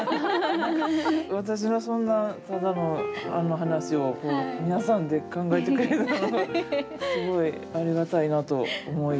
私のそんなただの話をこう皆さんで考えてくれたのがすごいありがたいなと思い。